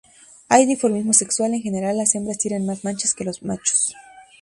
Hay dimorfismo sexual; en general las hembras tienen más manchas que los machos.